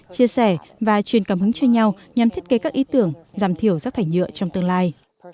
chia sẻ và truyền cảm hứng cho nhau nhằm thiết kế các ý tưởng giảm thiểu rác thải nhựa trong tương lai